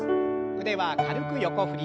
腕は軽く横振り。